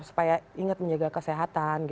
supaya ingat menjaga kesehatan